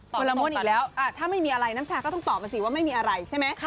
คนละมดอีกแล้วถ้าไม่มีอะไรน้ำชาก็ต้องตอบมาสิว่าไม่มีอะไรใช่ไหม